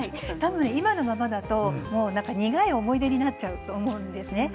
今のままだと苦い思い出になってしまうと思います。